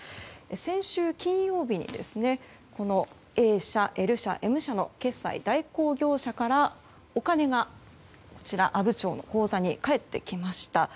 先週金曜日にＡ社、Ｌ社、Ｍ社の決済代行業者からお金が阿武町の口座に返ってきました。